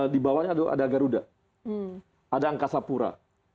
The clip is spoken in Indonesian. di bawahnya ada garuda ada angkasa pura